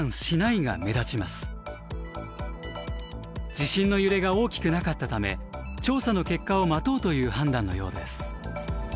地震の揺れが大きくなかったため調査の結果を待とうという判断のようです。